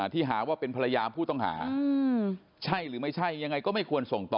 ที่หาว่าเป็นภรรยาผู้ต้องหาใช่หรือไม่ใช่ยังไงก็ไม่ควรส่งต่อ